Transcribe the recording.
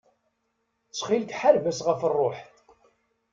Ttxil-k ḥareb-as ɣef ṛṛuḥ.